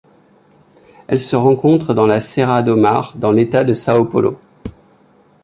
Elle se rencontre dans la Serra do Mar dans l'État de São Paulo.